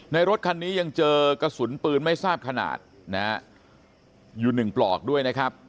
รถคันนี้ยังเจอกระสุนปืนไม่ทราบขนาดนะฮะอยู่หนึ่งปลอกด้วยนะครับ